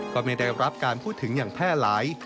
ไม่ได้รับการพูดถึงอย่างแพร่หลาย